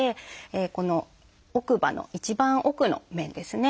この奥歯の一番奥の面ですね。